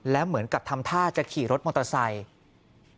แล้วเหมือนกับทำท่าจะขี่รถมอเตอร์ไซค์